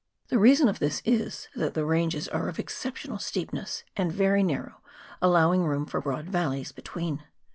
The reason of this is, that the ranges are of exceptional steepness, and very narrow, allowing room for broad valleys between.